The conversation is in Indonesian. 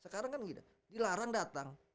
sekarang kan gini dilarang datang